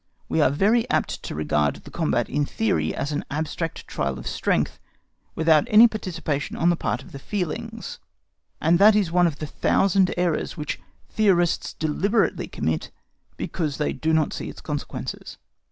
We are very apt to regard the combat in theory as an abstract trial of strength, without any participation on the part of the feelings, and that is one of the thousand errors which theorists deliberately commit, because they do not see its consequences.